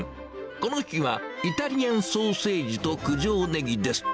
この日はイタリアンソーセージと九条ネギです。